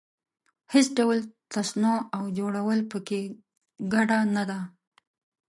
هېڅ ډول تصنع او جوړول په کې ګډه نه ده.